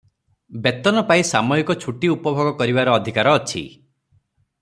ବେତନ ପାଇ ସାମୟିକ ଛୁଟି ଉପଭୋଗ କରିବାର ଅଧିକାର ଅଛି ।